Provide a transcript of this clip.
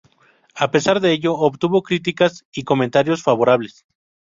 A pesar de ello obtuvo críticas y comentarios favorables.